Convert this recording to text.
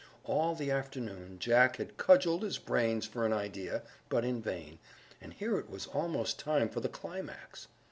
All the afternoon Jack had cudgeled his brains for an idea, but in vain, and here it was almost time for the climax.